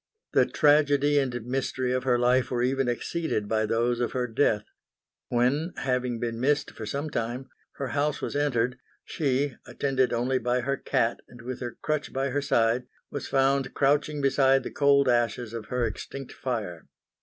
The tragedy and mystery of her life were even exceeded by those of her death. When, having been missed for some time, her house was entered she, attended only by her cat and with her crutch by her side, was found crouching beside the cold ashes of her extinct fire.